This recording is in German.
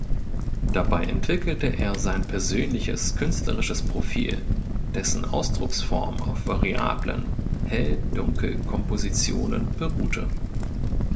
Dabei entwickelte er sein persönliches künstlerisches Profil, dessen Ausdrucksform auf variablen Hell-Dunkel-Kompositionen beruhte.